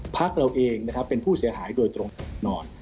พรรคเราเองเป็นผู้เสียหายโดยตรงนอน